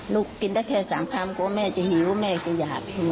ลูกกินได้แค่๓คำกลัวแม่จะหิวแม่จะอยาก